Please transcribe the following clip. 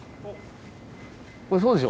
これそうでしょ。